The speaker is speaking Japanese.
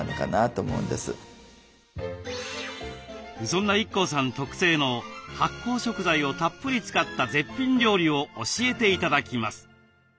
そんなＩＫＫＯさん特製の発酵食材をたっぷり使った絶品料理を教えて頂きます。